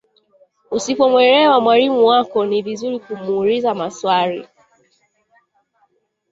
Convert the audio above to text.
Usipomwelewa mwalimu wako ni vizuri kumuuliza maswali.